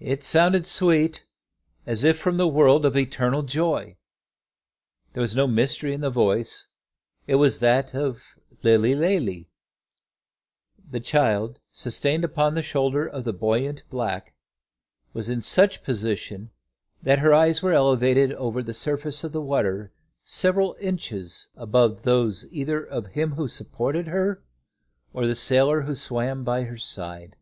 It sounded sweet as if from the world of eternal joy. There was no mystery in the voice; it was that of the Lilly Lalee. The child, sustained upon the shoulder of the buoyant black, was in such a position that her eyes were elevated over the surface of the water several inches above those either of him who supported her, or the sailor who swam by her side.